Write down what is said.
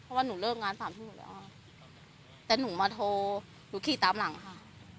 เพราะว่าหนูเลิกงานสามทุ่มแล้วค่ะแต่หนูมาโทรหนูขี่ตามหลังค่ะ